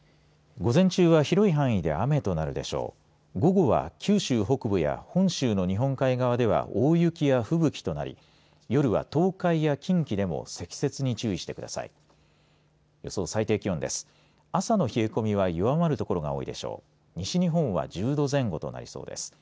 午後は九州北部や本州の日本海側では大雪や吹雪となり夜は東海や近畿でも積雪に注意してください。